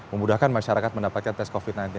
memudahkan masyarakat mendapatkan tes covid sembilan belas